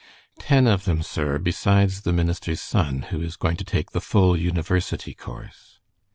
"Ten of them, sir, besides the minister's son, who is going to take the full university course."